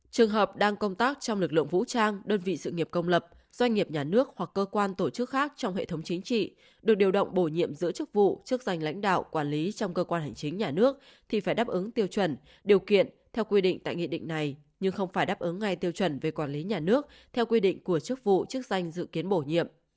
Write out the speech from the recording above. trường hợp đang công tác trong lực lượng vũ trang đơn vị sự nghiệp công lập doanh nghiệp nhà nước hoặc cơ quan tổ chức khác trong hệ thống chính trị được điều động bổ nhiệm giữ chức vụ chức danh lãnh đạo quản lý trong cơ quan hành chính nhà nước thì phải đáp ứng tiêu chuẩn điều kiện theo quy định tại nghị định này nhưng không phải đáp ứng ngay tiêu chuẩn về quản lý nhà nước theo quy định của chức vụ chức danh dự kiến bổ nhiệm